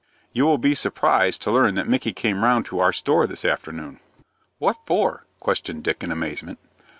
"You will be surprised to learn that Micky came round to our store this afternoon." "What for?" questioned Dick, in amazement.